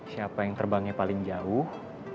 siapa yang terbangnya paling jauh